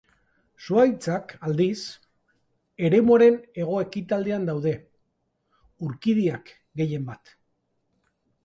Zuhaitzak, aldiz, eremuaren hego-ekialdean daude; urkidiak, gehienbat.